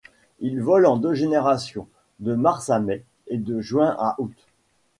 Il vole en deux générations, de mars à mai et de juin à août.